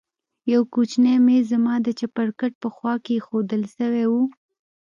يو کوچنى ميز زما د چپرکټ په خوا کښې ايښوول سوى و.